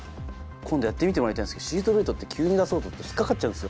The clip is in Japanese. やってみてもらいたいんですけどシートベルトって急に出そうとすると引っ掛かっちゃうんですよ